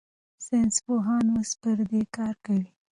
ساینسپوهان اوس پر دې کار کوي.